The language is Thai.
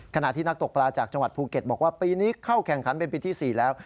ขณะที่นักตกปลาจากจังหวัดภูเก็ตบอกว่าปีนี้เข้าแข่งขันเป็นปีที่๔แล้ว